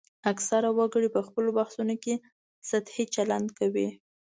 اکثره وګړي په خپلو بحثونو کې سطحي چلند کوي